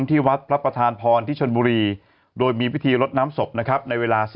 ที่วัดพระประธานพรที่ชนบุรีโดยมีพิธีลดน้ำศพนะครับในเวลา